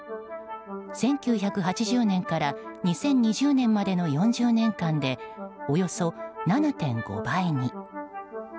１９８０年から２０２０年までの４０年間でおよそ７．５倍に。